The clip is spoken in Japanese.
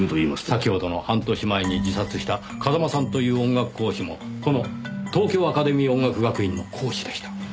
先ほどの半年前に自殺した風間さんという音楽講師もこの東京アカデミー音楽学院の講師でした。